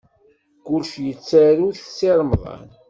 Kullec yettaru-t Si Remḍan.